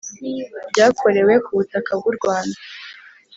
byakorewe ku butaka bw'u rwanda,